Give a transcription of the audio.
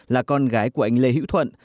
là con gái của anh lê hữu thuận